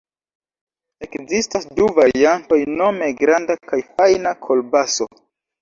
Ekzistas du variantoj nome granda kaj fajna kolbaso.